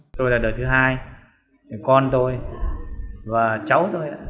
tôi là đời thứ hai con tôi và cháu tôi đã